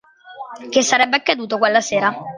Che sarebbe accaduto quella sera?